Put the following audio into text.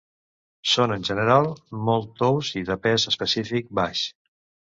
Són en general molt tous i de pes específic baix.